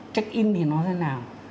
check in thì nó thế nào